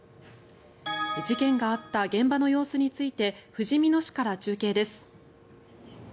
事件があった現場の様子についてふじみ野市から中継です。